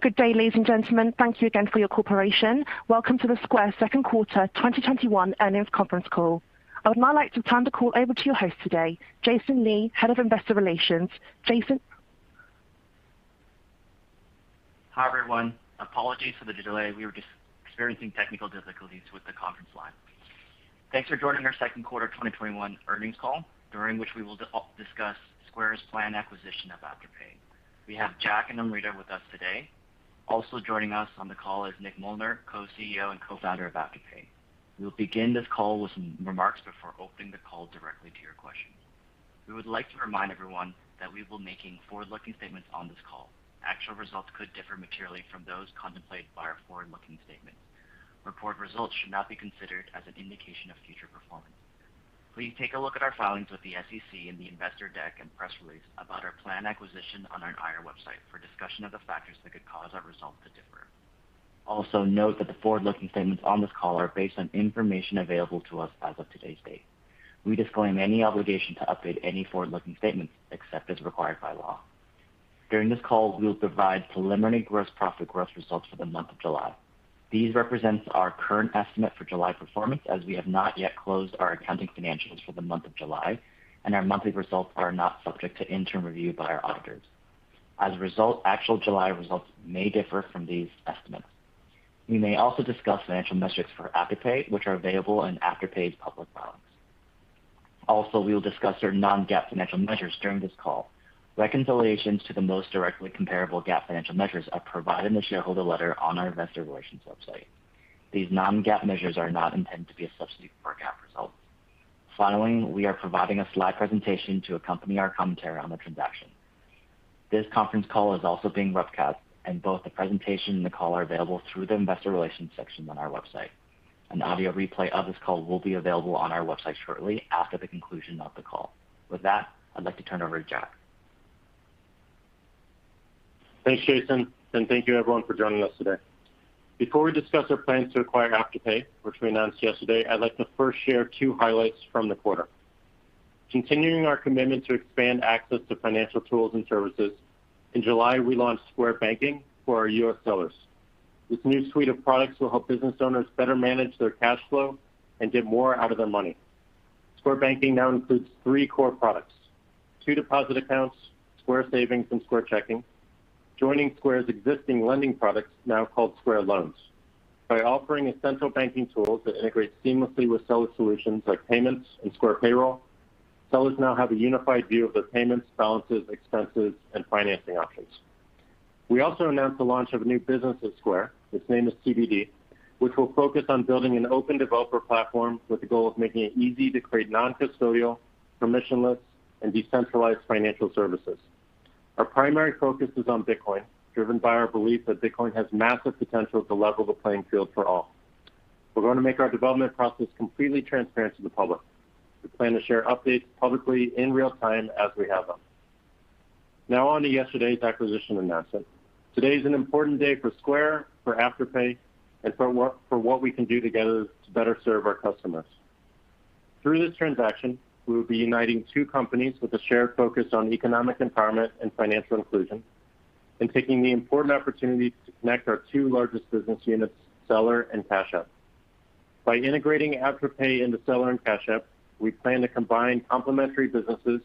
Good day, ladies and gentlemen. Thank you again for your cooperation. Welcome to the square second quarter 2021 earnings conference call. I would now like to turn the call over to your host today, Jason Lee, Head of Investor Relations. Jason? Hi, everyone. Apologies for the delay. We were just experiencing technical difficulties, with the conference line. Thanks for joining our second quarter 2021 earnings call, during which we will discuss Square's planned acquisition of Afterpay. We have Jack, and Amrita with us today. Also joining us on the call is Nick Molnar, Co-CEO and Co-founder of Afterpay. We will begin this call with some remarks, before opening the call directly to your questions. We would like to remind everyone, that we will be making forward-looking statements on this call. Actual results could differ materially, from those contemplated by our forward-looking statements. Reported results should not be considered, as an indication of future performance. Please take a look at our filings with the SEC, and the investor deck. And press release about our planned acquisition on our IR website. For a discussion of the factors, that could cause our results to differ. Also, note that the forward-looking statements on this call, are based on information available to us as of today's date. We disclaim any obligation to update any forward-looking statements, except as required by law. During this call, we will provide preliminary gross, profit growth results for the month of July. These represent our current estimate for July performance. As we have not yet closed, our accounting financials for the month of July. And our monthly results, are not subject to interim review by our auditors. As a result, actual July results may differ from these estimates. We may also discuss financial metrics for Afterpay. Which are available in Afterpay's public filings. We will discuss, certain non-GAAP financial measures during this call. Reconciliations to the most directly comparable GAAP financial measures. Are provided in the shareholder letter, on our investor relations website. These non-GAAP measures are not intended, to be a substitute for GAAP results. We are providing a slide presentation, to accompany our commentary on the transaction. This conference call is also being webcast. And both the presentation, and the call are available through the Investor Relations section on our website. An audio replay of this call, will be available on our website shortly. After the conclusion of the call. With that, I'd like to turn it over to Jack. Thanks, Jason, and thank you everyone for joining us today. Before we discuss our plans to acquire Afterpay, which we announced yesterday. I'd like to first share two highlights from the quarter. Continuing our commitment to expand access to financial tools, and services. In July, we launched Square Banking for our U.S. sellers. This new suite of products will help business owners. Better manage their cash flow, and get more out of their money. Square Banking now includes three core products. Two deposit accounts, Square Savings and Square Checking. Joining Square's existing lending products, now called Square Loans. By offering essential banking tools, that integrate seamlessly. With Seller Solutions like Payments and Square Payroll. Sellers now have a unified view of their payments, balances, expenses, and financing options. We also announced the launch of a new business at Square, its name is TBD. Which will focus on building an open developer platform. With the goal of making, it easy to create non-custodial, permissionless, and decentralized financial services. Our primary focus is on Bitcoin, driven by our belief. That Bitcoin has massive potential, to level the playing field for all. We're going to make our development process completely transparent to the public. We plan to share updates publicly in real time, as we have them. On to yesterday's acquisition announcement. Today is an important day for Square, for Afterpay, and for what we can do together. To better serve our customers. Through this transaction, we will be uniting two companies. With a shared focus on economic empowerment, and financial inclusion. And taking the important opportunity, to connect our two largest business units, Seller and Cash App. By integrating Afterpay into Seller, and Cash App. We plan to combine complementary businesses,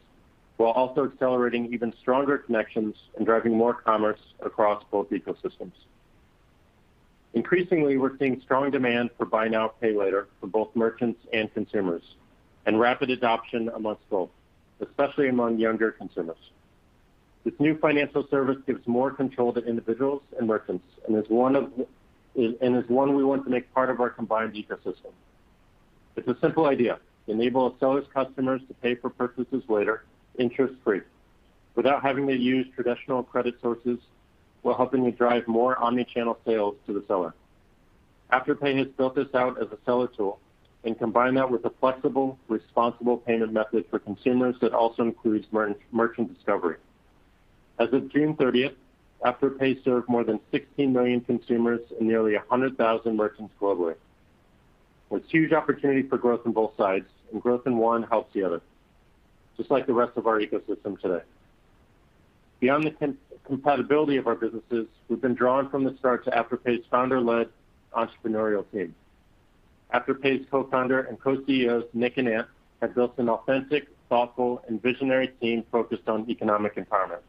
while also accelerating even stronger connections. And driving more commerce across both ecosystems. Increasingly, we're seeing strong demand for Buy Now, Pay Later. From both merchants, and consumers, and rapid adoption amongst both. Especially among younger consumers. This new financial service gives more control to individuals, and merchants. And is one we want to make part of our combined ecosystem. It's a simple idea. Enable a seller's customers to pay for purchases later, interest-free. Without having to use traditional credit sources. While helping to drive more omnichannel sales to the seller. Afterpay has built this out as a seller tool, and combined that with a flexible. Responsible payment method for consumers, that also includes merchant discovery. As of June 30th, Afterpay served more than 16 million consumers, and nearly 100,000 merchants globally. There's huge opportunity for growth on both sides, and growth in one helps the other. Just like the rest of our ecosystem today. Beyond the compatibility of our businesses, we've been drawn from the start. To Afterpay's founder-led entrepreneurial team. Afterpay's Co-Founder and Co-CEOs, Nick and Ant. Have built an authentic, thoughtful, and visionary team focused on economic empowerment.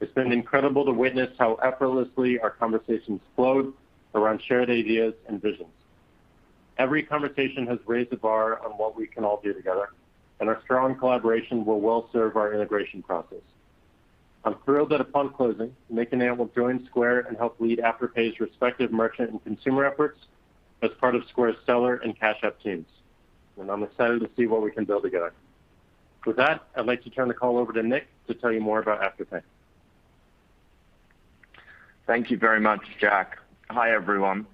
It's been incredible to witness, how effortlessly our conversations flowed, around shared ideas and visions. Every conversation has raised the bar, on what we can all do together. And our strong collaboration, will well serve our integration process. I'm thrilled that upon closing, Nick and Ant will join Square. And help lead Afterpay's respective merchant, and consumer efforts. As part of Square's Seller and Cash App teams, and I'm excited to see. What we can build together. With that, I'd like to turn the call over to Nick, to tell you more about Afterpay. Thank you very much, Jack. Hi, everyone.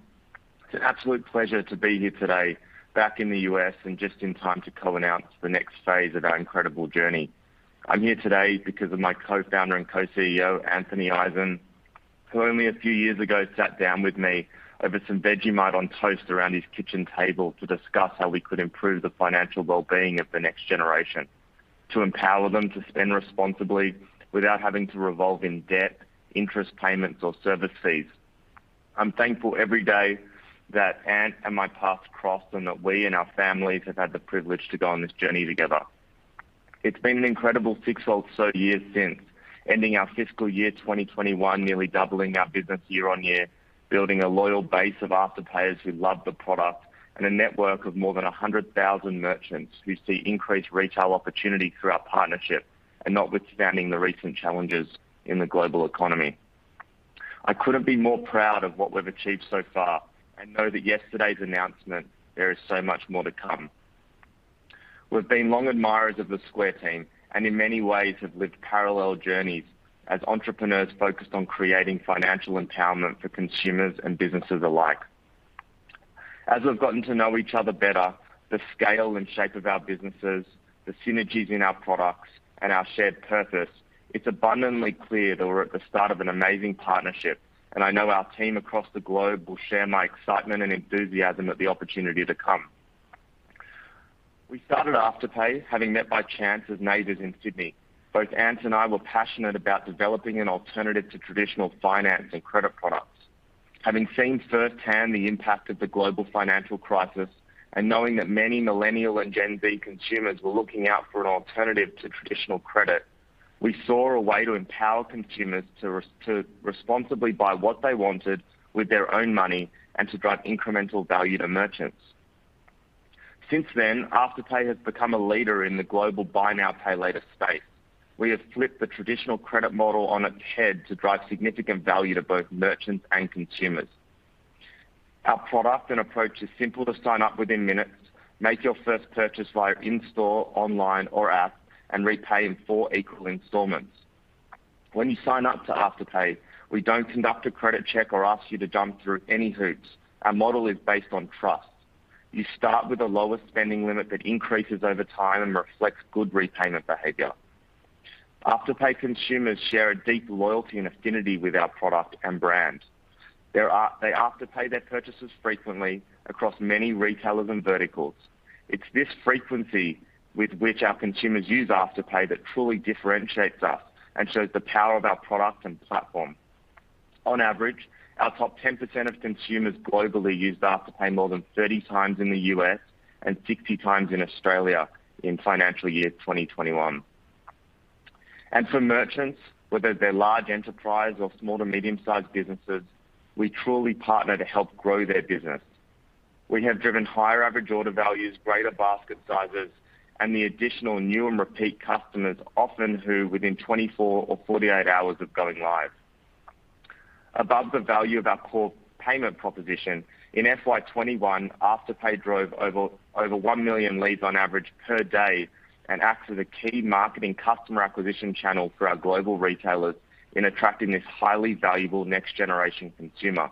It's an absolute pleasure to be here today, back in the U.S., and just in time. To co-announce the next phase, of our incredible journey. I'm here today, because of my Co-Founder and Co-CEO, Anthony Eisen. Who only a few years ago sat down with me, over some Vegemite on toast around his kitchen table. To discuss how we could improve, the financial well-being of the next generation. To empower them to spend responsibly, without having to revolve in debt, interest payments, or service fees. I'm thankful every day that Ant, and my paths crossed. And that we, and our families have had the privilege to go on this journey together. It's been an incredible six odd so years, since ending our fiscal year 2021. Nearly, doubling our business year-on-year, building a loyal base of Afterpayers. Who love the product, and a network of more than 100,000 merchants. Who see increased retail opportunity through our partnership, and notwithstanding the recent challenges in the global economy. I couldn't be more proud of what we've achieved so far, and know that yesterday's announcement, there is so much more to come. We've been long admirers of the Square team, and in many ways have lived parallel journeys. As entrepreneurs focused on creating financial empowerment for consumers, and businesses alike. As we've gotten to know each other better. The scale, and shape of our businesses, the synergies in our products. And our shared purpose, it's abundantly clear. That we're at the start of an amazing partnership, and I know our team across the globe. Will share my excitement, and enthusiasm at the opportunity to come. We started Afterpay, having met by chance as neighbors in Sydney. Both Ant and I were passionate about, developing an alternative to traditional finance, and credit products. Having seen firsthand the impact of the global financial crisis, and knowing that many Millennial, and Gen Z consumers. Were looking out for an alternative to traditional credit. We saw a way to empower consumers to responsibly buy. What they wanted with their own money. And to drive incremental value to merchants. Since then, Afterpay has become a leader in the global Buy Now, Pay Later space. We have flipped the traditional credit model on its head. To drive significant value to both merchants, and consumers. Our product and approach is simple, to sign up within minutes. Make your first purchase via in-store, online or app, and repay in four equal installments. When you sign up to Afterpay, we don't conduct a credit check, or ask you to jump through any hoops. Our model is based on trust. You start with a lower spending limit. That increases over time, and reflects good repayment behavior. Afterpay consumers share a deep loyalty, and affinity with our product and brand. They Afterpay their purchases frequently, across many retailers and verticals. It's this frequency, with which our consumers use Afterpay. That truly differentiates us, and shows the power of our product and platform. On average, our top 10% of consumers globally. Used Afterpay more than 30x in the U.S., and 60x in Australia in financial year 2021. For merchants, whether they're large enterprise or small to medium sized businesses. We truly partner to help grow their business. We have driven higher average order values, greater basket sizes. And the additional new, and repeat customers often who, within 24 or 48 hours of going live. Above the value of our core payment proposition. In FY 2021, Afterpay drove over 1 million leads on average per day, and acts as a key marketing customer acquisition channel. For our global retailers, in attracting this highly valuable next generation consumer.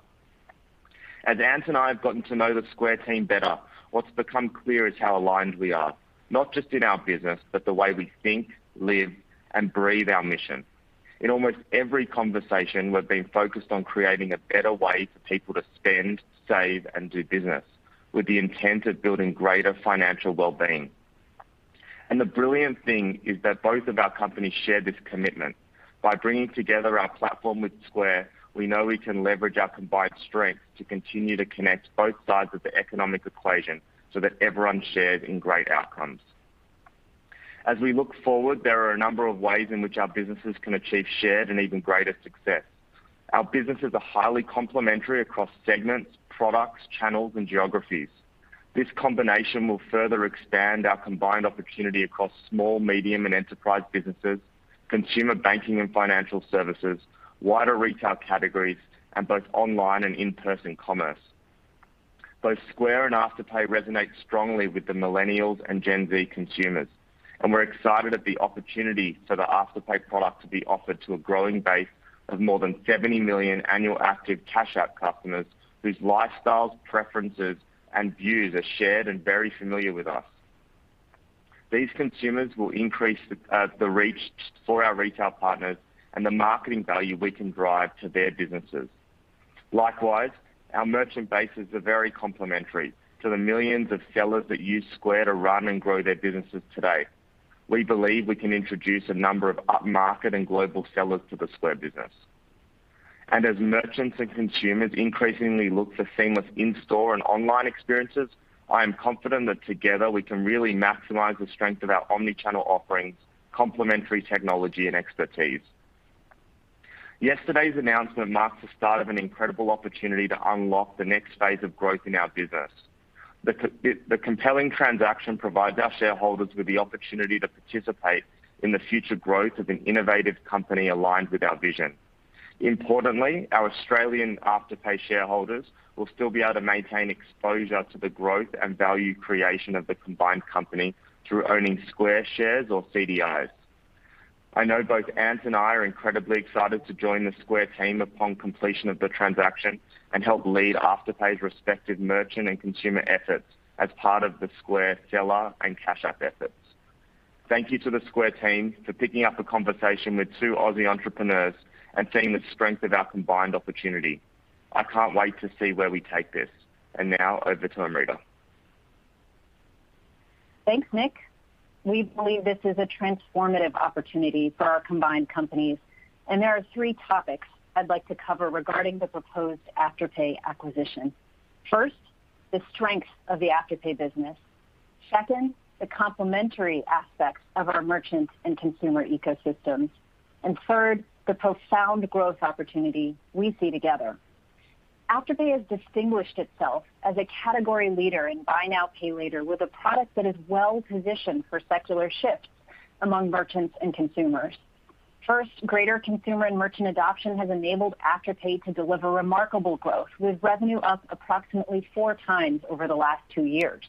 As Ant and I have gotten to know, the Square team better. What's become clear is how aligned we are, not just in our business. But the way we think, live, and breathe our mission. In almost every conversation, we've been focused on creating a better way. For people to spend, save, and do business. With the intent of building greater financial well-being. The brilliant thing is that, both of our companies share this commitment. By bringing together our platform with Square. We know we can leverage our combined strengths. To continue to connect, both sides of the economic equation. So, that everyone shares in great outcomes. As we look forward, there are a number of ways. In which our businesses can achieve shared, and even greater success. Our businesses are highly complementary. Across segments, products, channels, and geographies. This combination will further expand, our combined opportunity. Across small, medium, and enterprise businesses, consumer banking, and financial services. Wider retail categories, and both online and in-person commerce. Both Square, and Afterpay resonate strongly with the Millennials, and Gen Z consumers. And we're excited at the opportunity, for the Afterpay product. To be offered to a growing base, of more than 70 million annual active Cash App customers. Whose lifestyles, preferences, and views. Are shared, and very familiar with us. These consumers will increase the reach for our retail partners, and the marketing value we can drive to their businesses. Likewise, our merchant bases are very complementary. To the millions of Sellers that use Square to run, and grow their businesses today. We believe we can introduce a number of up-market, and global sellers to the Square business. As merchants and consumers increasingly look for seamless in-store, and online experiences. I am confident that together, we can really maximize. The strength of our omnichannel offerings, complementary technology, and expertise. Yesterday's announcement marks the start of an incredible opportunity. To unlock the next phase of growth in our business. The compelling transaction provides our shareholders with the opportunity. To participate in the future growth, of an innovative company aligned with our vision. Importantly, our Australian Afterpay shareholders, will still be able to maintain exposure to the growth. And value creation of the combined company. Through owning Square shares or CDIs. I know both Ant, and I are incredibly excited to join the Square team. Upon completion of the transaction, and help lead Afterpay's respective merchant. And consumer efforts as part of the Square Seller, and Cash App efforts. Thank you to the Square team, for picking up a conversation. With two Aussie entrepreneurs, and seeing the strength of our combined opportunity. I can't wait to see, where we take this. Now over to Amrita. Thanks, Nick. We believe this is a transformative opportunity. For our combined companies, and there are three topics I'd like to cover. Regarding the proposed Afterpay acquisition. First, the strength of the Afterpay business. Second, the complementary aspects of our merchants, and consumer ecosystems. Third, the profound growth opportunity we see together. Afterpay has distinguished itself, as a category leader in Buy Now, Pay Later. With a product that is well-positioned for secular shifts among merchants, and consumers. First, greater consumer, and merchant adoption has enabled Afterpay to deliver remarkable growth. With revenue up approximately, 4x over the last two years.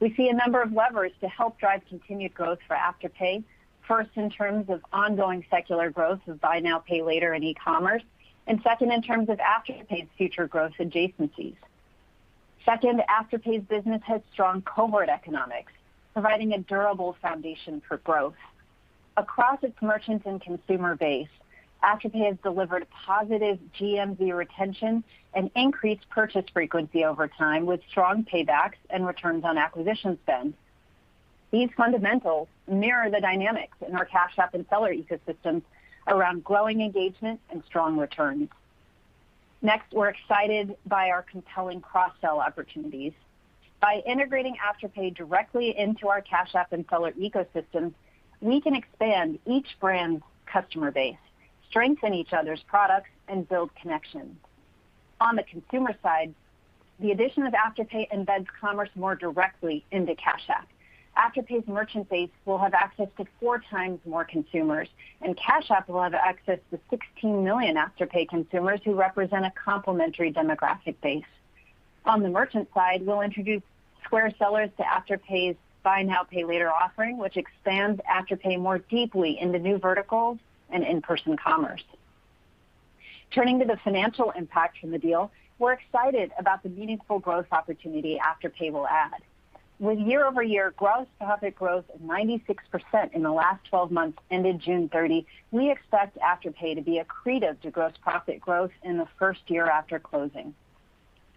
We see a number of levers, to help drive continued growth for Afterpay. First, in terms of ongoing secular growth of Buy Now, Pay Later in e-commerce. And second, in terms of Afterpay's future growth adjacencies. Second, Afterpay's business has strong cohort economics. Providing a durable foundation for growth. Across its merchants, and consumer base. Afterpay has delivered positive GMV retention, and increased purchase frequency over time. With strong paybacks, and returns on acquisition spend. These fundamentals mirror the dynamics in our Cash App and Seller ecosystems. Around growing engagement, and strong returns. Next, we're excited by our compelling cross-sell opportunities. By integrating Afterpay directly into our Cash App, and Seller ecosystems. We can expand each brand's customer base. Strengthen each other's products, and build connections. On the consumer side, the addition of Afterpay embeds commerce more directly into Cash App. Afterpay's merchant base, will have access to four times more consumers. And Cash App will have access, to 16 million Afterpay consumers. Who represent a complementary demographic base. On the merchant side, we'll introduce Square Sellers to Afterpay's Buy Now, Pay Later offering. Which expands Afterpay more deeply into new verticals, and in-person commerce. Turning to the financial impact from the deal. We're excited about, the meaningful growth opportunity Afterpay will add. With year-over-year gross profit growth of 96%, in the last 12 months, ended June 30. We expect Afterpay to be accretive to gross profit growth, in the first year after closing.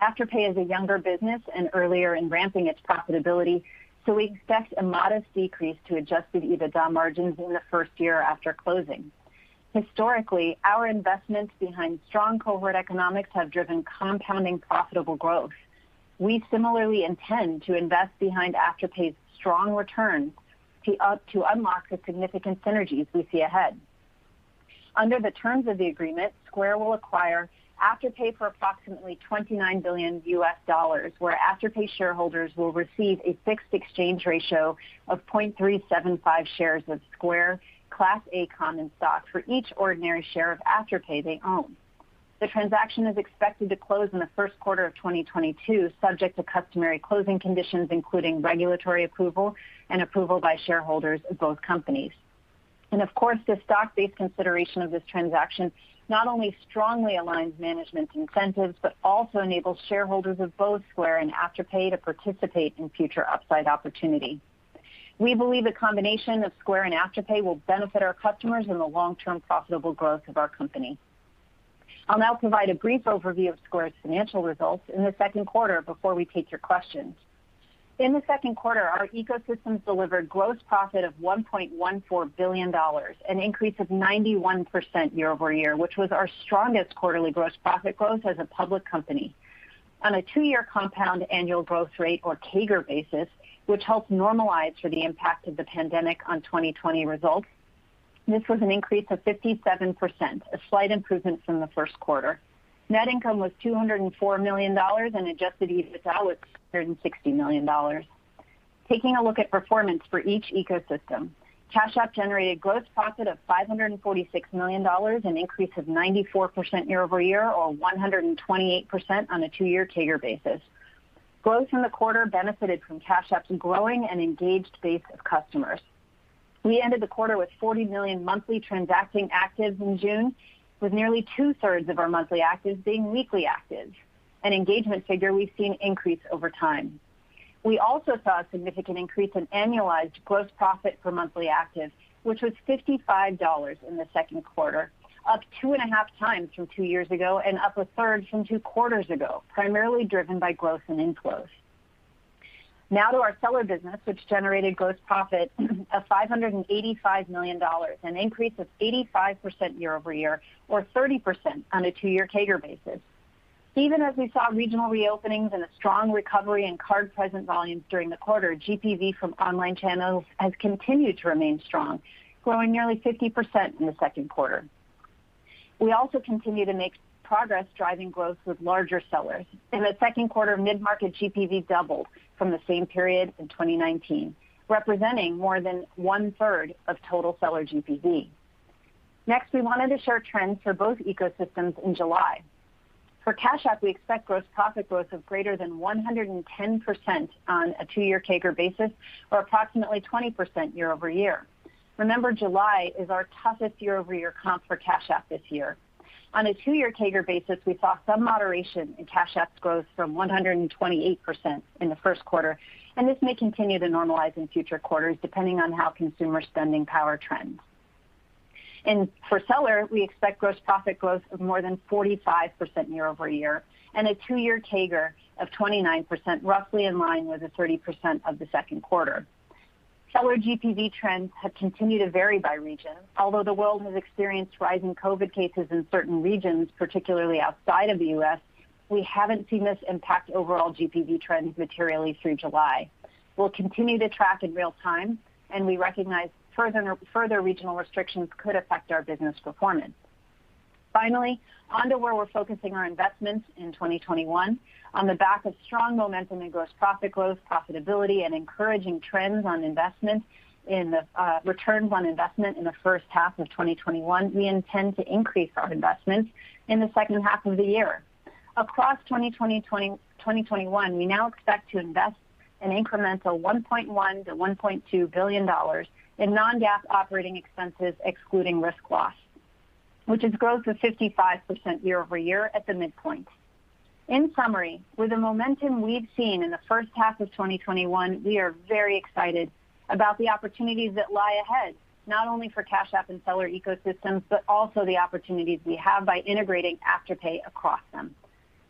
Afterpay is a younger business, and earlier in ramping its profitability. So, we expect a modest decrease, to adjusted EBITDA margins, in the first year after closing. Historically, our investments behind strong cohort economics, have driven compounding profitable growth. We similarly intend to invest behind Afterpay's strong returns. To unlock the significant synergies we see ahead. Under the terms of the agreement, Square will acquire Afterpay for approximately $29 billion. Where Afterpay shareholders, will receive a fixed exchange ratio of 0.375 shares of Square. Class A common stock for each ordinary share of Afterpay they own. The transaction is expected, to close in the first quarter of 2022. Subject to customary closing conditions, including regulatory approval, and approval by shareholders of both companies. Of course, the stock-based consideration of this transaction. Not only strongly aligns management's incentives, but also enables shareholders of both Square and Afterpay. To participate in future upside opportunity. We believe the combination of Square, and Afterpay will benefit our customers. In the long-term profitable growth of our company. I'll now provide a brief overview, of Square's financial results. In the second quarter, before we take your questions. In the second quarter, our ecosystems delivered gross profit of $1.14 billion. An increase of 91% year-over-year, which was our strongest quarterly gross profit growth as a public company. On a two-year compound annual growth rate or CAGR basis. Which helps normalize for the impact, of the pandemic on 2020 results. This was an increase of 57%, a slight improvement from the first quarter. Net income was $204 million, adjusted EBITDA was $260 million. Taking a look at performance for each ecosystem. Cash App generated gross profit of $546 million, an increase of 94% year-over-year. Or 128% on a two-year CAGR basis. Growth in the quarter benefited from Cash App's growing, and engaged base of customers. We ended the quarter, with 40 million monthly transacting actives in June. With nearly two third of our monthly actives being weekly actives. An engagement figure, we've seen increase over time. We also saw a significant increase, in annualized gross profit per monthly active. Which was $55 in the second quarter, up 2.5x from two years ago. And up a one third from two quarters ago, primarily driven by growth in inflows. To our Seller business, which generated gross profit of $585 million. An increase of 85% year-over-year, or 30% on a two-year CAGR basis. Even as we saw regional reopenings, and a strong recovery. In card present volumes during the quarter, GPV from online channels. Has continued to remain strong, growing nearly 50% in the second quarter. We also continue to make progress, driving growth with larger Sellers. In the second quarter, mid-market GPV doubled, from the same period in 2019. Representing more than one third of total Seller GPV. Next, we wanted to share trends for both ecosystems in July. For Cash App, we expect gross profit growth of greater than 110%, on a two-year CAGR basis. Or approximately, 20% year-over-year. Remember, July is our toughest year-over-year comp for Cash App this year. On a two-year CAGR basis, we saw some moderation in Cash App's growth. From 128% in the first quarter, and this may continue to normalize in future quarters. Depending on how consumer spending power trends. For Seller, we expect gross profit growth of more than 45% year-over-year, and a two-year CAGR of 29%. Roughly in line with the 30% of the second quarter. Seller GPV trends, have continued to vary by region. Although the world has experienced rising COVID cases in certain regions. Particularly outside of the U.S., we haven't seen this impact overall GPV trends materially through July. We'll continue to track in real time, and we recognize further regional restrictions. Could affect our business performance. Finally, onto where we're focusing our investments in 2021. On the back of strong momentum in gross profit growth, profitability, and encouraging trends. On investments in the return on investment, in the first half of 2021. We intend to increase our investments, in the second half of the year. Across 2021, we now expect to invest an incremental $1.1 billion-$1.2 billion. In non-GAAP operating expenses excluding risk loss. Which is growth of 55% year-over-year at the midpoint. In summary, with the momentum we've seen in the first half of 2021. We are very excited, about the opportunities that lie ahead. Not only for Cash App, and Seller ecosystems. But also, the opportunities we have, by integrating Afterpay across them.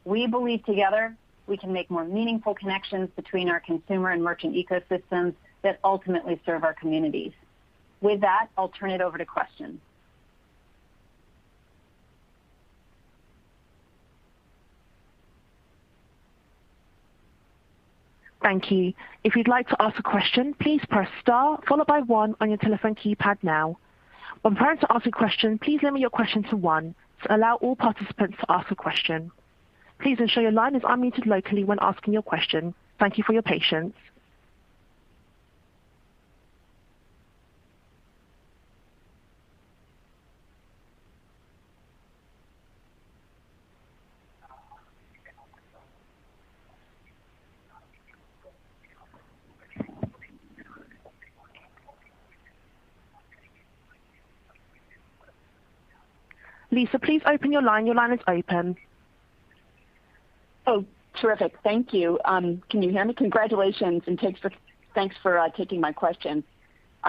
We believe together, we can make more meaningful connections. Between our consumer, and merchant ecosystems. That ultimately, serve our communities. With that, I'll turn it over to questions. Thank you. If you'd like to ask a question, please press star followed by one on your telephone keypad now. When preparing to ask a question, please limit your question to one. To allow all participants to ask a question. Please ensure your line is unmuted locally, when asking your question. Thank you for your patience. Lisa, please open your line. Your line is open. Oh, terrific. Thank you. Can you hear me? Congratulations, and thanks for taking my question.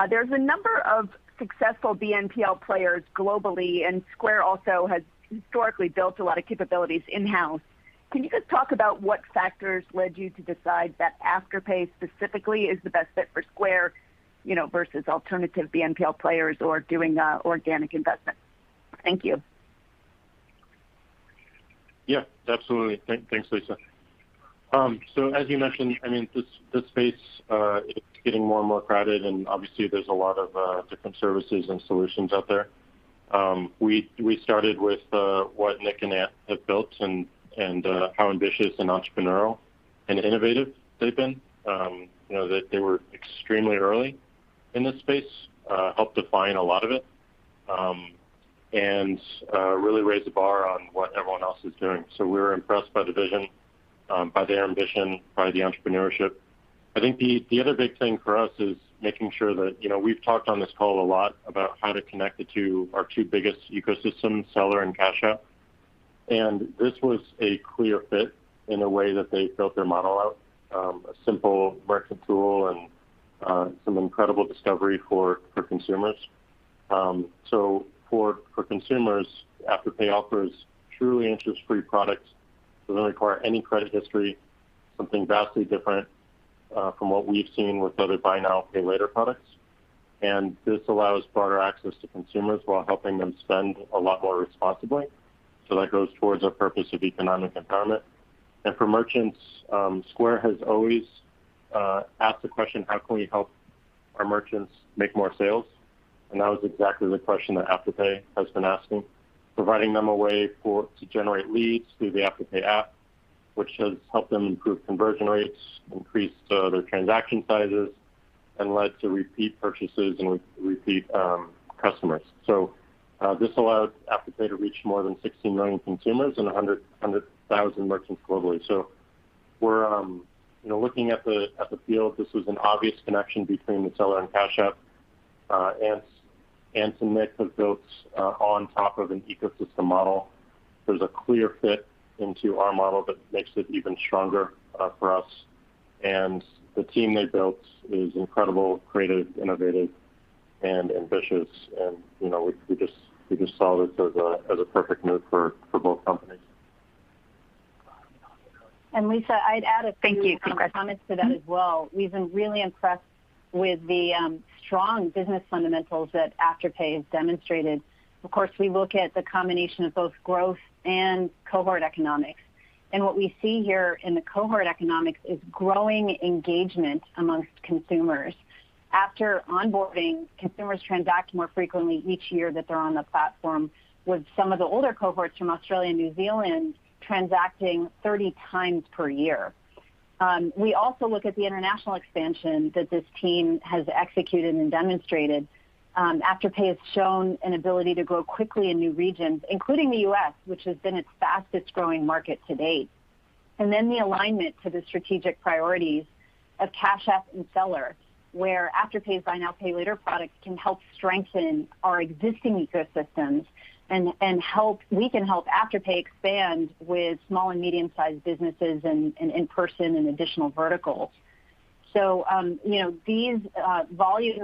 There's a number of successful BNPL players globally, and Square also has historically built a lot of capabilities in-house. Can you just talk about, what factors led you to decide? That Afterpay specifically, is the best fit for Square. You know, versus alternative BNPL players or doing organic investment. Thank you. Yeah, absolutely. Thanks, Lisa. As you mentioned, this space, it's getting more, and more crowded. And obviously, there's a lot of different services, and solutions out there. We started with what Nick and Ant have built. And how ambitious, and entrepreneurial, and innovative they've been? That they were extremely early in this space. Helped define a lot of it, and really raised the bar, on what everyone else is doing? We were impressed by the vision, by their ambition, by the entrepreneurship. I think the other big thing for us is making sure that. We've talked on this call a lot about, how to connect our two biggest ecosystems, Seller and Cash App. And this was a clear fit, in a way that they built their model out. A simple merchant tool, and some incredible discovery for consumers. For consumers, Afterpay offers truly interest-free products. Doesn't require any credit history, something vastly different. From what we've seen, with other Buy Now, Pay Later products? This allows broader access to consumers, while helping them spend a lot more responsibly. That goes towards our purpose of economic empowerment. For merchants, Square has always asked the question. How can we help, our merchants make more sales? That was exactly, the question that Afterpay has been asking. Providing them a way, to generate leads through the Afterpay app. Which has helped them improve conversion rates. Increase their transaction sizes, and led to repeat purchases, and repeat customers. This allowed Afterpay to reach more than 16 million consumers, and 100,000 merchants globally. We're looking at the field, this was an obvious connection. Between the Seller and Cash App. Ant and Nick have built, on top of an ecosystem model. There's a clear fit into our model, that makes it even stronger for us. The team they built is incredible, creative, innovative, and ambitious. And we just saw this, as a perfect move for both companies. Lisa, I'd add a few comments to that as well. We've been really impressed, with the strong business fundamentals, that Afterpay has demonstrated. Of course, we look at the combination of both growth, and cohort economics. What we see here in the cohort economics? Is growing engagement amongst consumers. After onboarding, consumers transact more frequently each year. That they're on the platform, with some of the older cohorts. From Australia, and New Zealand transacting 30x per year. We also look at the international expansion. That this team has executed, and demonstrated. Afterpay has shown an ability, to grow quickly in new regions, including the U.S. Which has been its fastest-growing market to date. The alignment to the strategic priorities of Cash App, and Seller. Where Afterpay's Buy Now, Pay Later product, can help strengthen. Our existing ecosystems, and we can help Afterpay expand. With small and medium-sized businesses, and in person, and additional verticals. These volume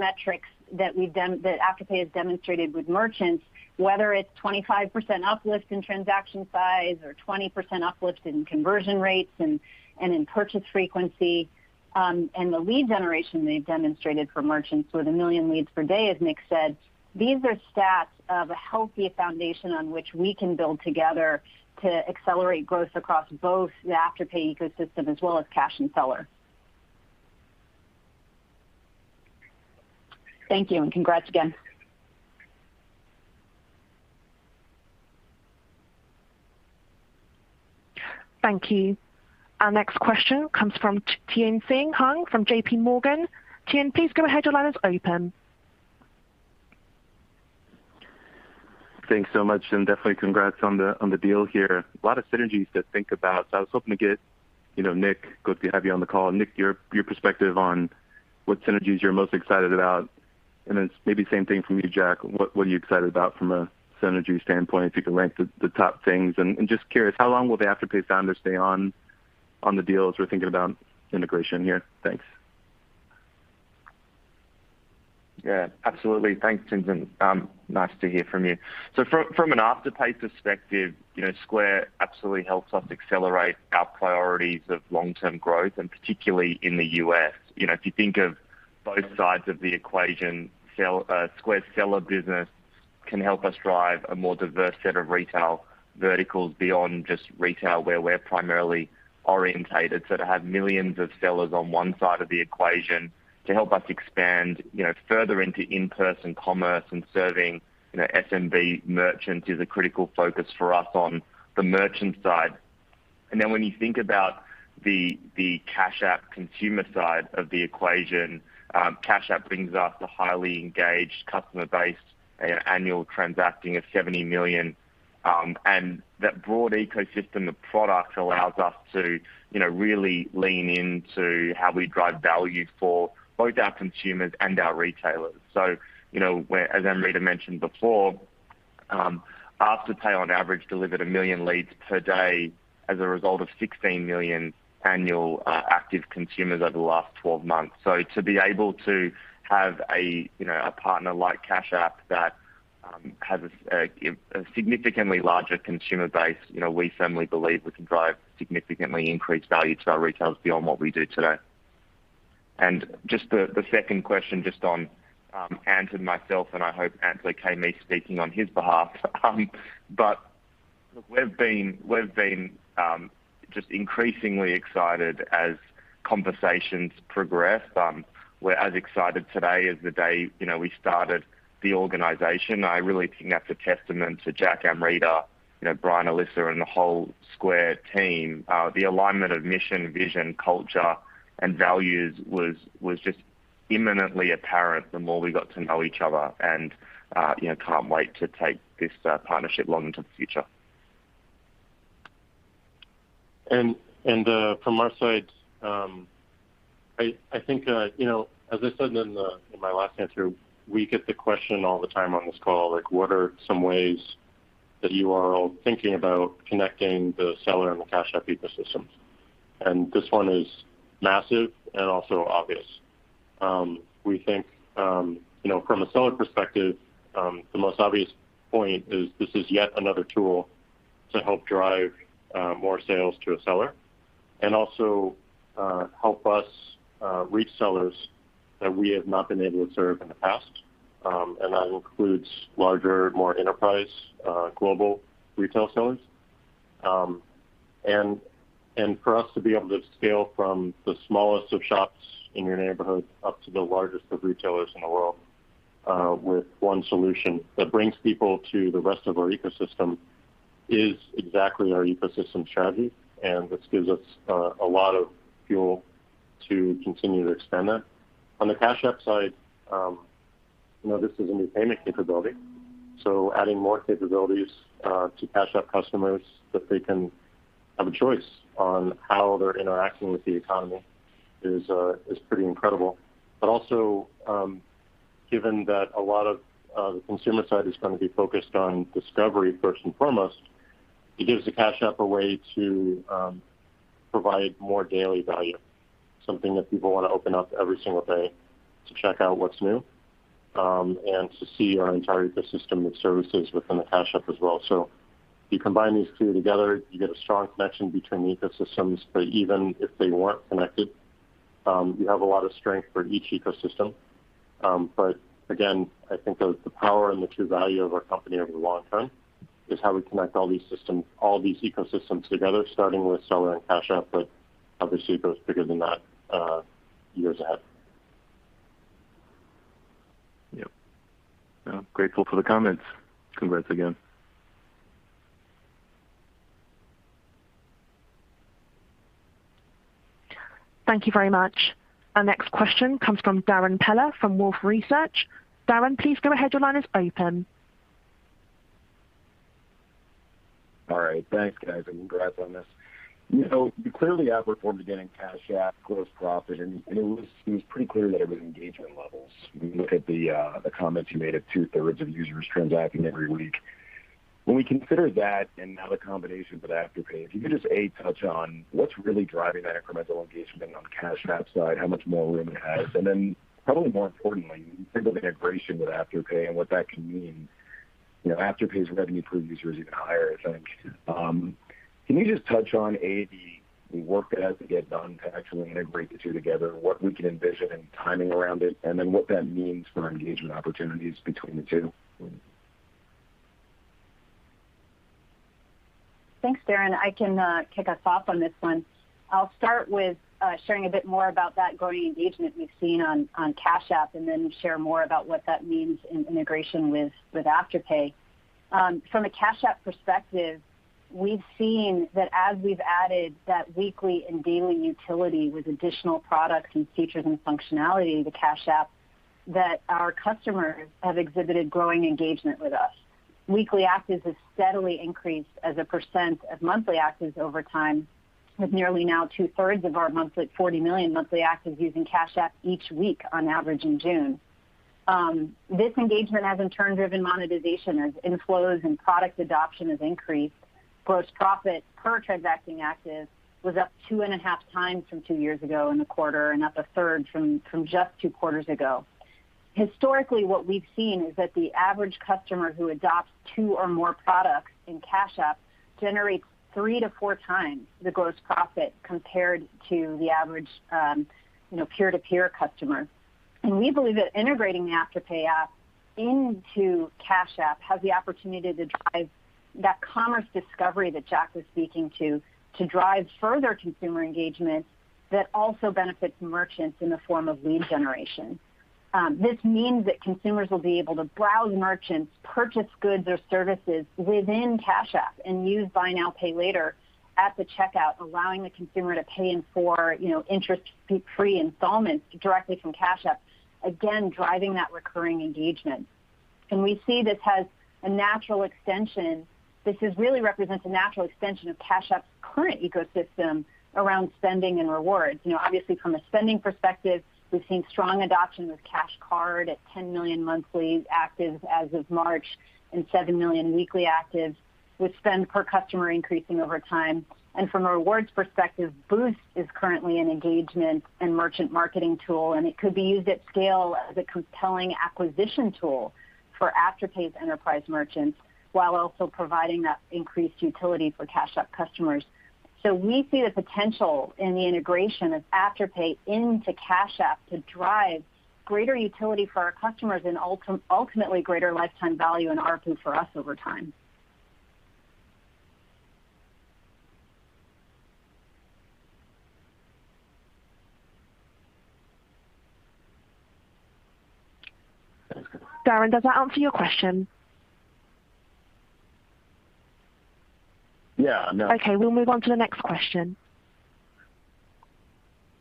metrics, that Afterpay has demonstrated with merchants. Whether it's 25% uplift in transaction size. Or 20% uplift in conversion rates, and in purchase frequency. And the lead generation they've demonstrated for merchants, with 1 million leads per day. As Nick said, these are stats of a healthy foundation, on which we can build together. To accelerate growth across both the Afterpay ecosystem, as well as Cash and Seller. Thank you, and congrats again. Thank you. Our next question comes from Tien-Tsin Huang from JPMorgan. Tien-Tsin, please go ahead. Your line is open. Thanks so much, definitely congrats on the deal here. A lot of synergies to think about. I was hoping to get Nick, good to have you on the call. Nick, your perspective on, what synergies you're most excited about? And then maybe same thing from you, Jack, what are you excited about from a synergy standpoint, if you could rank the top things? Just curious, how long will the Afterpay founders stay on, the deal as we're thinking about integration here? Thanks. Yeah, absolutely. Thanks, Tien-Tsin. Nice to hear from you. From an Afterpay perspective, Square absolutely helps us accelerate. Our priorities of long-term growth, and particularly in the U.S. If you think of both sides of the equation, Square's Seller business can help us drive. A more diverse set of retail verticals beyond just retail. Where we're primarily orientated. To have millions of Sellers on one side of the equation. To help us expand further into in-person commerce, and serving SMB merchants. Is a critical focus for us on the merchant side. When you think about, the Cash App consumer side of the equation. Cash App brings us a highly engaged customer base, annual transacting of 70 million. That broad ecosystem of products, allows us to really lean into. How we drive value for both our consumers, and our retailers. As Amrita mentioned before, Afterpay on average delivered 1 million leads per day. As a result of 16 million annual active consumers, over the last 12 months. To be able to have a partner like Cash App, that has a significantly larger consumer base. We firmly, believe we can drive significantly increased value to our retailers beyond, what we do today. Just the second question, just on Ant and myself. And I hope Anthony can me speaking on his behalf. But look, we've been just increasingly excited as conversations progress. We're as excited today, as the day we started the organization. I really think that's a testament to Jack, Amrita, Brian, Alyssa, and the whole Square team. The alignment of mission, vision, culture, and values. Was just imminently apparent, the more we got to know each other. And can't wait to take this partnership long into the future. From our side, I think, as I said in my last answer. We get the question all the time on this call, like. What are some ways, that you are all thinking about, connecting the Seller and the Cash App ecosystems? This one is massive and also obvious. We think, from a Seller perspective, the most obvious point. Is this is yet another tool, to help drive more sales to a Seller. And also help us reach Sellers, that we have not been able to observe in the past. That includes larger, more enterprise, global retail Sellers. For us to be able to scale, from the smallest of shops in your neighborhood. Up to the largest of retailers in the world. With one solution, that brings people to the rest of our ecosystem. Is exactly our ecosystem strategy. This gives us a lot of fuel, to continue to expand that. On the Cash App side, this is a new payment capability. Adding more capabilities to Cash App customers. That they can have a choice, on how they're interacting with the economy is pretty incredible. Also, given that a lot of the consumer side. Is going to be focused on discovery first, and foremost. It gives the Cash App a way, to provide more daily value. Something that people want to open up every single day. To check out what's new? And to see our entire ecosystem of services, within the Cash App as well. You combine these two together, you get a strong connection between the ecosystems. But even if they weren't connected, you have a lot of strength for each ecosystem. Again, I think the power, and the true value of our company over the long term. Is how we connect all these ecosystems together. Starting with Seller and Cash App, but obviously, it goes bigger than that years ahead. Yep. I'm grateful for the comments. Congrats again. Thank you very much. Our next question comes from Darrin Peller from Wolfe Research. Darrin, please go ahead. Your line is open. All right. Thanks, guys, and congrats on this. Clearly, Afterpay began in Cash App gross profit, and it was pretty clear that it was engagement levels. When you look at the comments, you made of two third of users transacting every week? When we consider that, and now the combination with Afterpay. If you could just, A, touch on, what's really driving that incremental engagement on the Cash App side? How much more room it has? Probably more importantly, when you think of the integration with Afterpay? And what that can mean? Afterpay's revenue per user is even higher, I think. Can you just touch on, A, the work that has to get done. To actually integrate the two together, what we can envision and timing around it? And then, what that means for engagement opportunities between the two? Thanks, Darrin. I can kick us off on this one. I'll start with sharing a bit more about, that growing engagement we've seen on Cash App. And then share more about, what that means in integration with Afterpay. From a Cash App perspective, we've seen that as we've added. That weekly and daily utility with additional products, and features, and functionality to Cash App. That our customers, have exhibited growing engagement with us. Weekly actives have steadily increased, as a percent of monthly actives over time. With nearly, now two third of our 40 million monthly actives using Cash App, each week on average in June. This engagement has, in turn, driven monetization. As inflows and product adoption has increased. Gross profit per transacting active, was up 2.5x from two years ago. In the quarter, and up a one third from just two quarters ago. Historically, what we've seen is that the average customer. Who adopts two or more products in Cash App, generates 3x-4x the gross profit. Compared to the average peer-to-peer customer. We believe that integrating the Afterpay app, into Cash App. Has the opportunity, to drive that commerce discovery that Jack was speaking. To drive further consumer engagement, that also benefits merchants in the form of lead generation. This means, that consumers will be able to browse merchants. Purchase goods or services within Cash App, and use Buy Now, Pay Later at the checkout. Allowing the consumer to pay in four interest-free installments, directly from Cash App. Again, driving that recurring engagement. We see this has a natural extension. This really represents a natural extension, of Cash App's current ecosystem around spending, and rewards. Obviously, from a spending perspective. We've seen strong adoption with Cash Card at 10 million monthly actives as of March and 7 million weekly actives, with spend per customer increasing over time. From a rewards perspective, Boost is currently an engagement and merchant marketing tool, and it could be used at scale as a compelling acquisition tool for Afterpay's enterprise merchants while also providing that increased utility for Cash App customers. We see the potential in the integration of Afterpay into Cash App to drive greater utility for our customers and ultimately greater lifetime value and ARPU for us over time. Thanks. Darrin, does that answer your question? Yeah. No. Okay, we'll move on to the next question.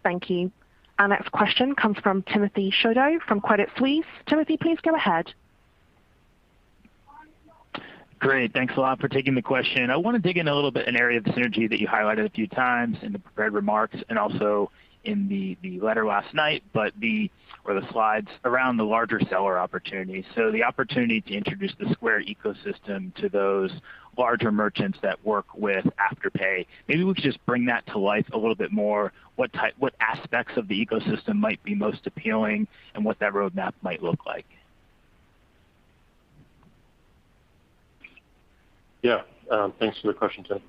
Thank you. Our next question comes from Timothy Chiodo from Credit Suisse. Timothy, please go ahead. Great. Thanks a lot for taking the question. I want to dig in a little bit, an area of the synergy that you highlighted a few times in the prepared remarks and also in the letter last night, or the slides, around the larger seller opportunity. The opportunity to introduce the Square ecosystem to those larger merchants that work with Afterpay. Maybe we could just bring that to life a little bit more. What aspects of the ecosystem might be most appealing, and what that roadmap might look like? Yeah. Thanks for the question, Tim.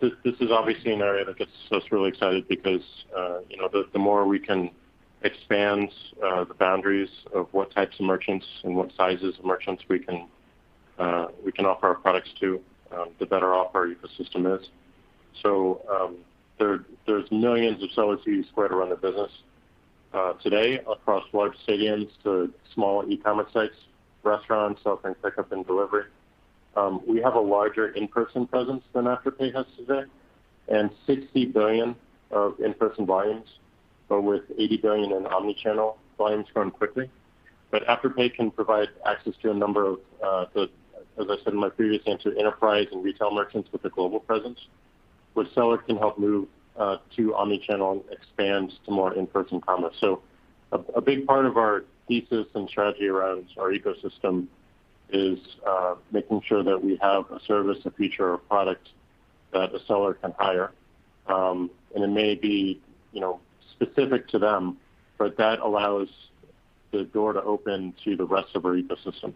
This is obviously an area that gets us really excited because the more we can expand the boundaries of what types of merchants and what sizes of merchants we can offer our products to, the better off our ecosystem is. There's millions of sellers who use Square to run their business today across large stadiums to small e-commerce sites, restaurants, offering pickup and delivery. We have a larger in-person presence than Afterpay has today, and $60 billion of in-person volumes, with $80 billion in omnichannel, volume is growing quickly. Afterpay can provide access to a number of, as I said in my previous answer, enterprise and retail merchants with a global presence, which sellers can help move to omnichannel and expand to more in-person commerce. A big part of our thesis and strategy around our ecosystem is making sure that we have a service, a feature, or product that a Seller can hire. It may be specific to them, but that allows the door to open to the rest of our ecosystem,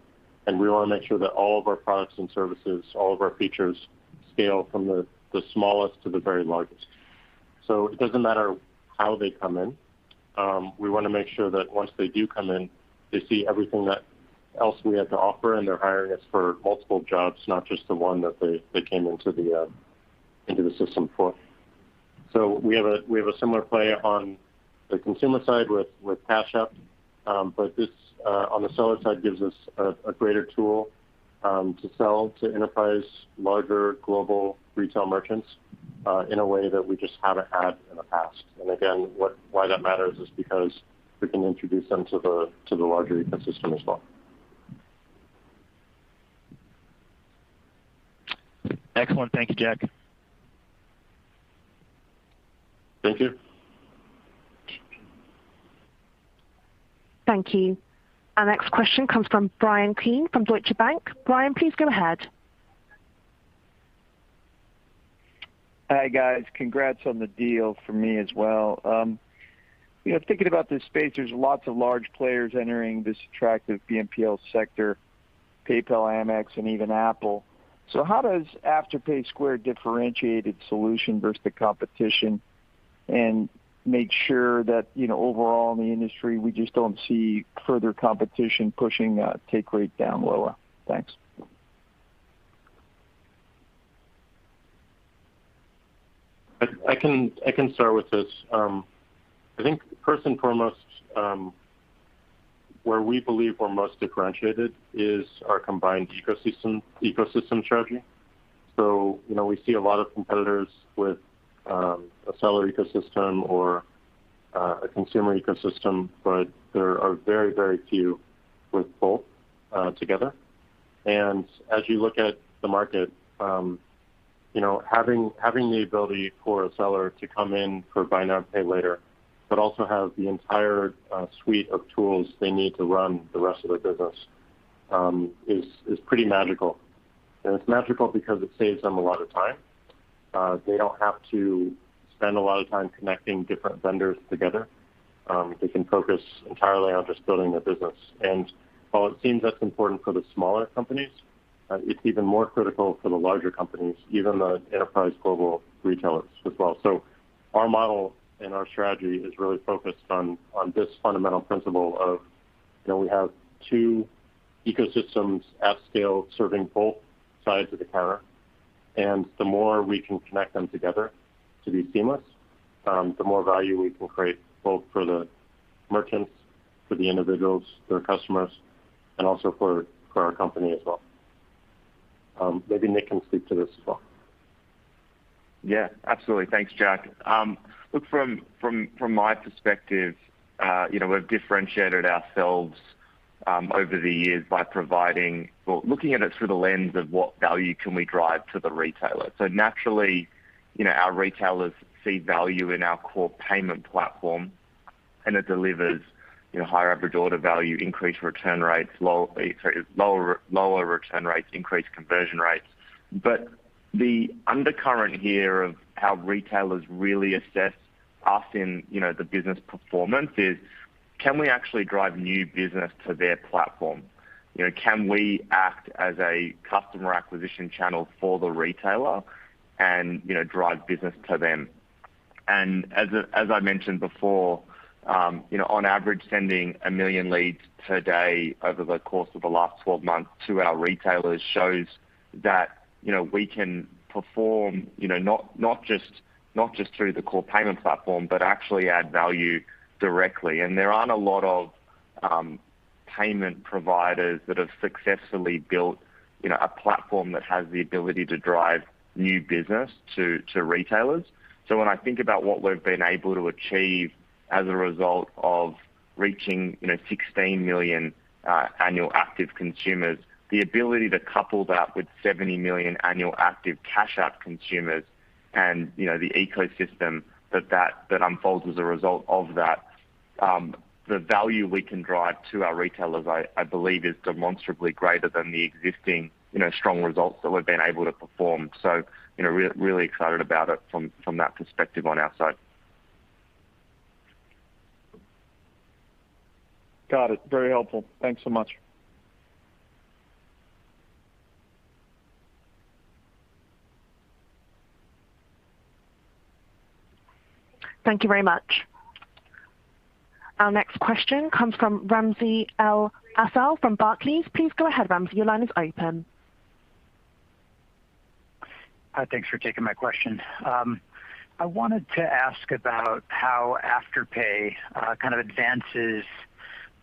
and we want to make sure that all of our products and services, all of our features, scale from the smallest to the very largest. It doesn't matter how they come in. We want to make sure that once they do come in, they see everything that else we have to offer, and they're hiring us for multiple jobs, not just the one that they came into the system for. We have a similar play on the consumer side with Cash App. This on the Seller side gives us a greater tool to sell to enterprise larger global retail merchants in a way that we just haven't had in the past. Again, why that matters is because we can introduce them to the larger ecosystem as well. Excellent. Thank you, Jack. Thank you. Thank you. Our next question comes from Bryan Keane from Deutsche Bank. Bryan, please go ahead. Hi, guys. Congrats on the deal from me as well. Thinking about this space, there's lots of large players entering this attractive BNPL sector, PayPal, Amex, and even Apple. How does Afterpay Square differentiate its solution versus the competition and make sure that overall in the industry, we just don't see further competition pushing take rate down lower? Thanks. I can start with this. I think first and foremost, where we believe we're most differentiated is our combined ecosystem strategy. We see a lot of competitors with a Seller ecosystem or a consumer ecosystem, but there are very few with both together. As you look at the market, having the ability for a seller to come in for buy now, pay later, but also have the entire suite of tools they need to run the rest of their business, is pretty magical. It's magical because it saves them a lot of time. They don't have to spend a lot of time connecting different vendors together. They can focus entirely on just building their business. While it seems that's important for the smaller companies, it's even more critical for the larger companies, even the enterprise global retailers as well. Our model and our strategy is really focused on this fundamental principle of, we have two ecosystems at scale serving both sides of the car, and the more we can connect them together to be seamless, the more value we can create, both for the merchants, for the individuals, their customers, and also for our company as well. Maybe Nick can speak to this as well. Yeah, absolutely. Thanks, Jack. Look, from my perspective, we've differentiated ourselves over the years by Well, looking at it through the lens of what value can we drive to the retailer. Naturally, our retailers see value in our core payment platform, and it delivers higher average order value, increased return rates, lower return rates, increased conversion rates. The undercurrent here of how retailers really assess us in the business performance is, can we actually drive new business to their platform? Can we act as a customer acquisition channel for the retailer and drive business to them? As I mentioned before, on average, sending 1 million leads per day over the course of the last 12 months to our retailers shows that we can perform, not just through the core payment platform, but actually add value directly. There aren't a lot of payment providers that have successfully built a platform that has the ability to drive new business to retailers. When I think about what we've been able to achieve as a result of reaching 16 million annual active consumers, the ability to couple that with 70 million annual active Cash App consumers and the ecosystem that unfolds as a result of that, the value we can drive to our retailers, I believe, is demonstrably greater than the existing strong results that we've been able to perform. Really excited about it from that perspective on our side. Got it. Very helpful. Thanks so much. Thank you very much. Our next question comes from Ramsey El-Assal from Barclays. Please go ahead, Ramsey. Your line is open. Hi, thanks for taking my question. I wanted to ask about how Afterpay kind of advances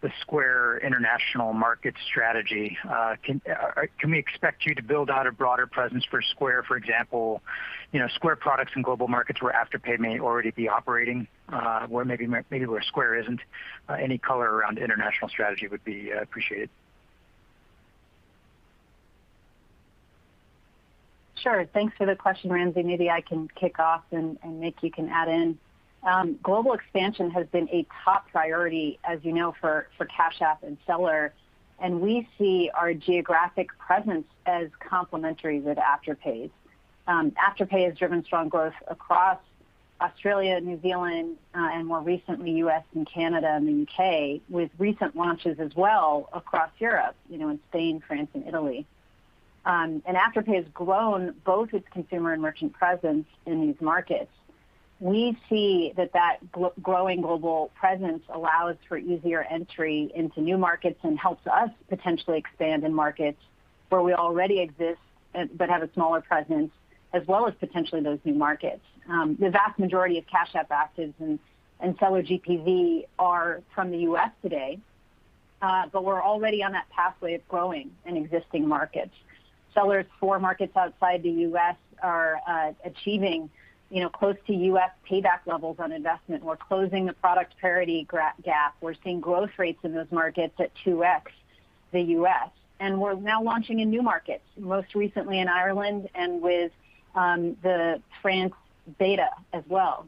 the Square international market strategy. Can we expect you to build out a broader presence for Square, for example, Square products in global markets where Afterpay may already be operating, where maybe where Square isn't? Any color around international strategy would be appreciated. Sure. Thanks for the question, Ramsey El-Assal. Maybe I can kick off and, Nick Molnar, you can add in. Global expansion has been a top priority, as you know, for Cash App and Seller, and we see our geographic presence as complementary with Afterpay's. Afterpay has driven strong growth across Australia, New Zealand, and more recently, U.S. and Canada and the U.K., with recent launches as well across Europe, in Spain, France, and Italy. Afterpay has grown both its consumer and merchant presence in these markets. We see that growing global presence allows for easier entry into new markets and helps us potentially expand in markets where we already exist but have a smaller presence, as well as potentially those new markets. The vast majority of Cash App actives and Seller GPV are from the U.S. today, but we're already on that pathway of growing in existing markets. Sellers for markets outside the U.S. are achieving close to U.S. payback levels on investment. We're closing the product parity gap. We're seeing growth rates in those markets at 2x the U.S., and we're now launching in new markets, most recently in Ireland and with the France beta as well.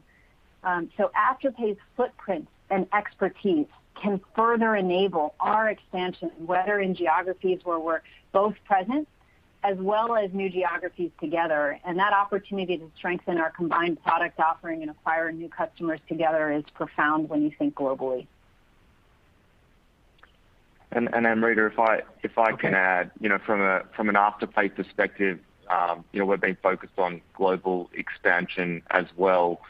Afterpay's footprint and expertise can further enable our expansion, whether in geographies where we're both present as well as new geographies together. That opportunity to strengthen our combined product offering and acquire new customers together is profound when you think globally. Amrita, if I can add. From an Afterpay perspective, we're being focused on global expansion as well.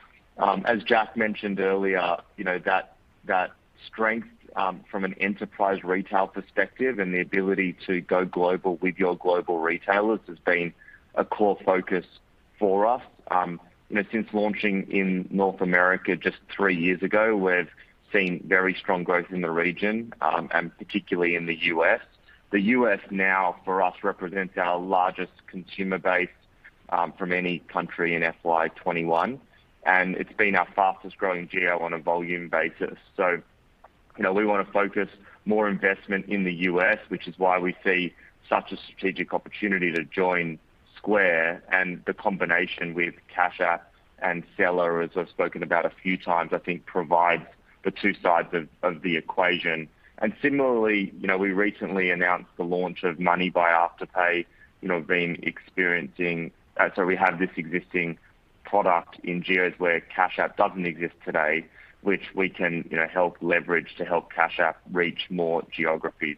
As Jack mentioned earlier, that strength from an enterprise retail perspective and the ability to go global with your global retailers has been a core focus for us. Since launching in North America just three years ago, we've seen very strong growth in the region, and particularly in the U.S. The U.S. now, for us, represents our largest consumer base from any country in FY 2021, and it's been our fastest-growing geo on a volume basis. We want to focus more investment in the U.S., which is why we see such a strategic opportunity to join Square, and the combination with Cash App and Seller, as I've spoken about a few times, I think provides the two sides of the equation. Similarly, we recently announced the launch of Money by Afterpay. We have this existing product in geos where Cash App doesn't exist today, which we can help leverage to help Cash App reach more geographies.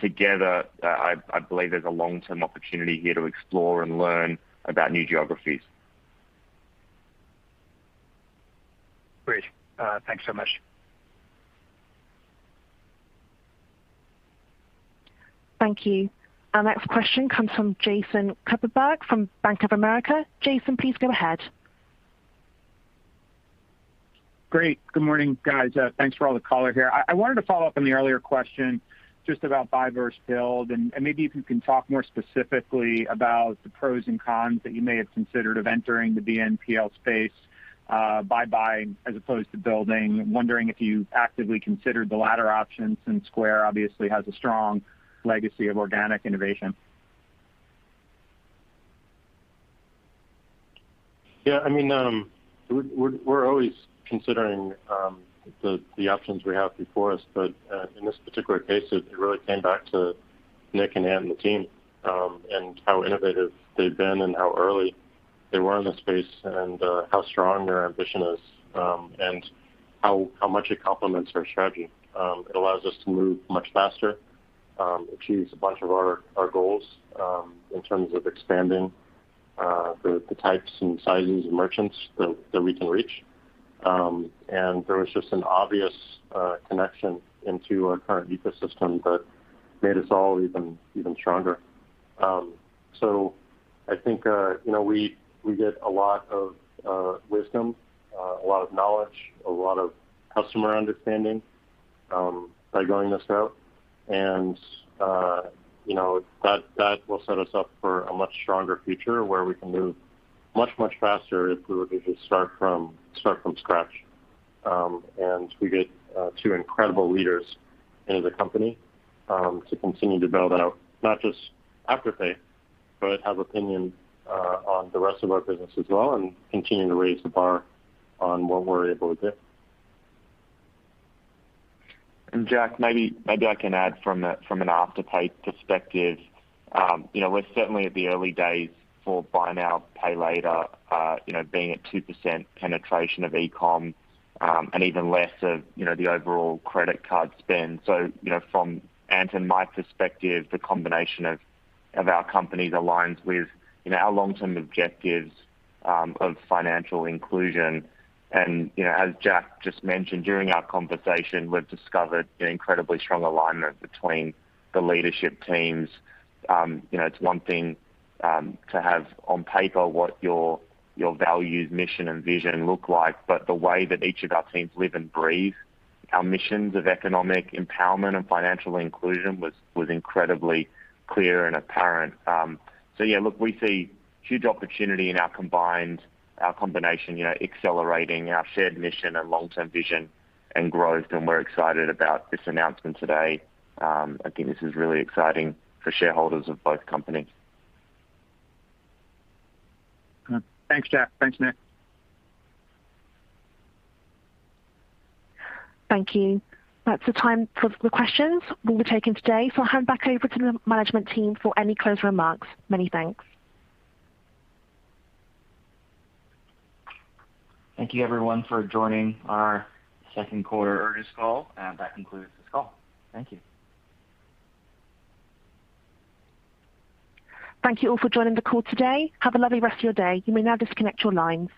Together, I believe there's a long-term opportunity here to explore and learn about new geographies. Great. Thanks so much. Thank you. Our next question comes from Jason Kupferberg from Bank of America. Jason, please go ahead. Great. Good morning, guys. Thanks for all the color here. I wanted to follow up on the earlier question just about buy versus build, and maybe if you can talk more specifically about the pros and cons that you may have considered of entering the BNPL space buy as opposed to building. I'm wondering if you actively considered the latter option since Square obviously has a strong legacy of organic innovation. Yeah. We're always considering the options we have before us. In this particular case, it really came back to Nick and Ant and the team, and how innovative they've been and how early they were in the space, and how strong their ambition is, and how much it complements our strategy. It allows us to move much faster, achieve a bunch of our goals in terms of expanding the types and sizes of merchants that we can reach. There was just an obvious connection into our current ecosystem that made us all even stronger. I think we get a lot of wisdom, a lot of knowledge, a lot of customer understanding by going this route. That will set us up for a much stronger future where we can move much, much faster if we were to just start from scratch. We get two incredible leaders into the company to continue to build out, not just Afterpay, but have opinion on the rest of our business as well and continue to raise the bar on what we are able to do. Jack, maybe I can add from an Afterpay perspective. We're certainly at the early days for buy now, pay later being at 2% penetration of e-com, and even less of the overall credit card spend. From Ant and my perspective, the combination of our companies aligns with our long-term objectives of financial inclusion. As Jack just mentioned during our conversation, we've discovered an incredibly strong alignment between the leadership teams. It's one thing to have on paper what your values, mission, and vision look like, but the way that each of our teams live and breathe our missions of economic empowerment and financial inclusion was incredibly clear and apparent. Yeah, look, we see huge opportunity in our combination accelerating our shared mission and long-term vision and growth, and we're excited about this announcement today. Again, this is really exciting for shareholders of both companies. Thanks, Jack. Thanks, Nick. Thank you. That's the time for the questions we'll be taking today. I'll hand back over to the management team for any closing remarks. Many thanks. Thank you everyone for joining our second quarter earnings call. That concludes this call. Thank you. Thank you all for joining the call today. Have a lovely rest of your day. You may now disconnect your lines.